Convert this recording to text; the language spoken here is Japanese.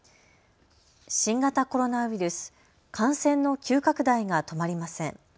新型コロナウイルス、感染の急拡大が止まりません。